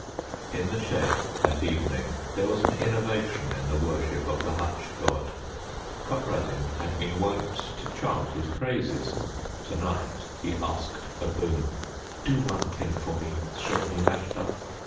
In the shed that evening there was an innovation in the worship of the hutch god. Conradin had been wont to chant his praises, to night he asked a boon. "Do one thing for me, Sredni Vashtar."